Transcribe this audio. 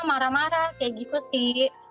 marah marah kayak gitu sih